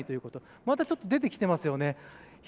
またちょっと出てきてますよね。